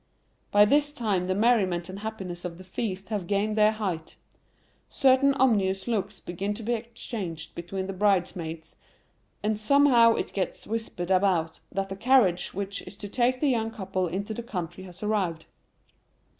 By this time the merriment and happiness of the feast have gained their height; certain ominous looks begin to be exchanged between the bridesmaids, and somehow it gets whispered about that the carriage which is to take the young couple into the country has arrived.